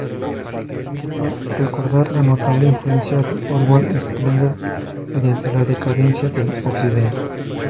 Quepa recordar la notable influencia de Oswald Spengler mediante "La decadencia de occidente.